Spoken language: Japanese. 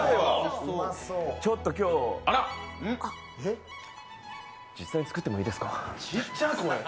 ちょっと今日、実際に作ってもいいですか？